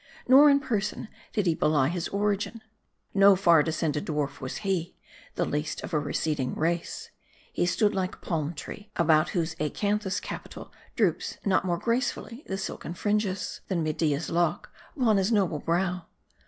Nor in person, did he belie his origin. No far descended dwarf was he, the least of a receding race. He stood like a palm tree ; about whose acanthus capital droops not more gracefully the silken fringes, than Media's locks upon his noble brow.